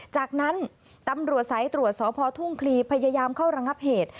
จากนั้นตำรวจสายตรวจสพทุ่งคลีพยายามเข้าระงับเหตุ